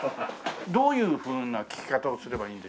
どういうふうな聞き方をすればいいんでしょう？